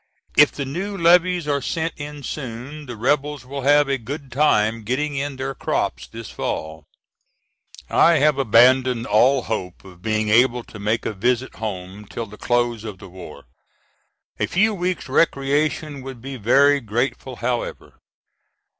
If the new levies are sent in soon the rebels will have a good time getting in their crops this Fall. I have abandoned all hope of being able to make a visit home till the close of the war. A few weeks' recreation would be very grateful however.